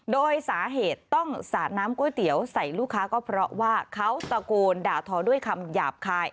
โดยสาเหตุต้องสาดน้ำก๋วยเตี๋ยวใส่ลูกค้าก็เพราะว่าเขาตะโกนด่าทอด้วยคำหยาบคาย